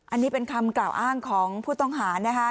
อันนี้เป็นคำกล่าวอ้างของผู้ต้องหานะคะ